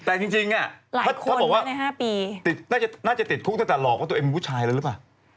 แต่จริงเขาบอกว่าน่าจะติดคุกตั้งแต่หลอกว่าตัวเองเป็นผู้ชายแล้วหรือเปล่า